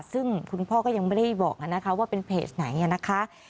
ซึ่งคุณพ่อก็ยังไม่ได้บอกนะคะว่าเป็นเพจไหนนะคะ